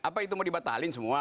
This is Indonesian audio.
apa itu mau dibatalin semua